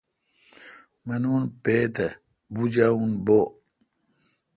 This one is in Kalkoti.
منون پے تھہ بُجاوون بو°